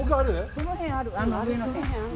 その辺ある。